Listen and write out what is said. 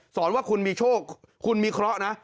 สอนว่าคุณมีโชคคุณมีเคราะห์นะ